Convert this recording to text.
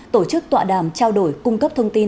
tổ chức tọa đàm trao đổi cung cấp thông tin